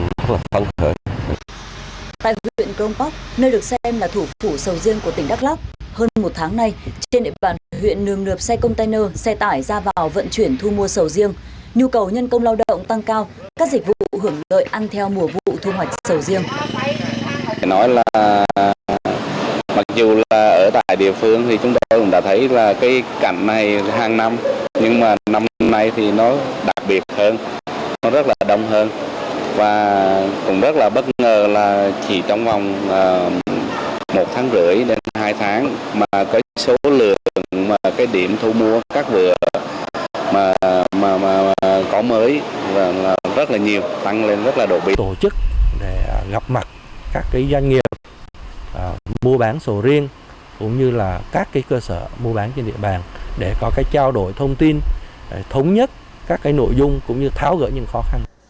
các dịch vụ hưởng lợi ăn theo mùa thu hoạch sầu riêng các dịch vụ hưởng lợi ăn theo mùa thu hoạch sầu riêng các dịch vụ hưởng lợi ăn theo mùa thu hoạch sầu riêng các dịch vụ hưởng lợi ăn theo mùa thu hoạch sầu riêng các dịch vụ hưởng lợi ăn theo mùa thu hoạch sầu riêng các dịch vụ hưởng lợi ăn theo mùa thu hoạch sầu riêng các dịch vụ hưởng lợi ăn theo mùa thu hoạch sầu riêng các dịch vụ hưởng lợi ăn theo mùa thu hoạch sầu riêng các dịch vụ hưởng lợi ăn theo mùa thu hoạch s